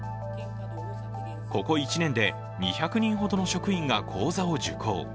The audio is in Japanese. ここ１年で２００人ほどの職員が講座を受講。